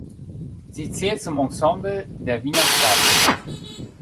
Sie zählt zum Ensemble der Wiener Staatsoper.